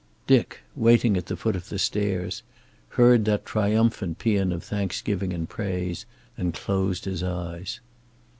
Dick, waiting at the foot of the stairs, heard that triumphant paean of thanksgiving and praise and closed his eyes.